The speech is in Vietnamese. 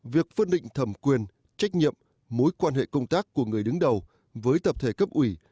việc phân định thẩm quyền trách nhiệm mối quan hệ công tác của người đứng đầu với tập thể cấp ủy